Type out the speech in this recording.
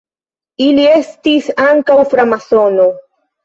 Li estis ankaŭ framasono.